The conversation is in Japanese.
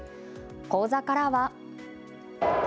口座からは。